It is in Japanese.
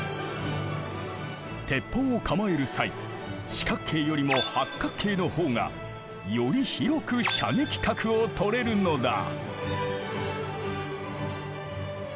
鉄砲を構える際四角形よりも八角形の方がより広く射撃角をとれるのだ。